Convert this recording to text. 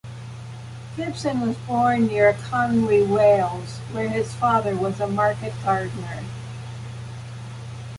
Gibson was born near Conwy, Wales, where his father was a market gardener.